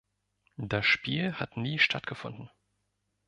Das Spiel hat nie stattgefunden.